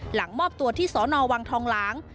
หลังมอบตัวที่สอนอวังทองหลาง